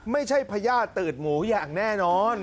ไม่ใช่พญาติตืดหมูอย่างแน่นอน